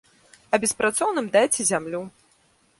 А беспрацоўным дайце зямлю.